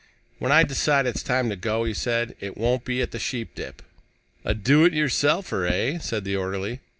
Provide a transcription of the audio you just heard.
"When I decide it's time to go," he said, "it won't be at the Sheepdip." "A do it yourselfer, eh?" said the orderly.